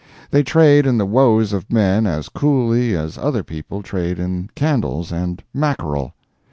They trade in the woes of men as coolly as other people trade in candles and mackerel.